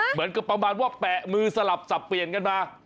เหมือนกับประมาณว่าแปะมือสลับสับเปลี่ยนกันมา